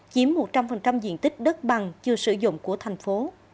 chiếm một trăm linh diện tích đất bằng chưa sử dụng của thành phố